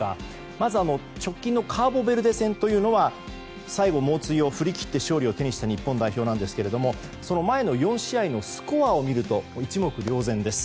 まず直近のカーボベルデ戦は最後、猛追を振り切って勝利を手にした日本代表なんですけどもその前の４試合のスコアを見ると一目瞭然です。